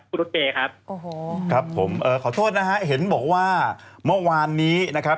ครับครับผมขอโทษนะฮะเห็นบอกว่าเมื่อวานนี้นะครับ